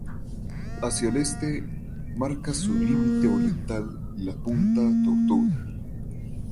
Hacia el este, marca su límite oriental la punta Tortuga.